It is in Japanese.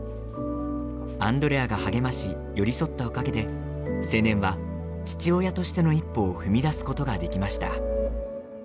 アンドレアが励まし寄り添ったおかげで青年は父親としての一歩を踏み出すことができました。